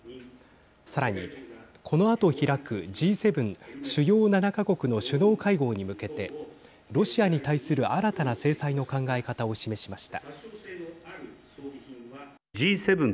さらに、このあと開くＧ７＝主要７か国の首脳会合に向けてロシアに対する新たな制裁の考え方を示しました。